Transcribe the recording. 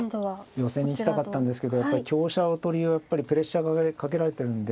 寄せに行きたかったんですけどやっぱり香車取りはやっぱりプレッシャーかけられてるんで。